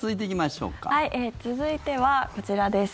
続いてはこちらです。